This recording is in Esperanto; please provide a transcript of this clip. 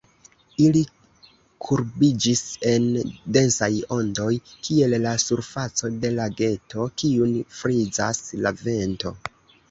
Ili kurbiĝis en densaj ondoj, kiel la surfaco de lageto, kiun frizas la vento.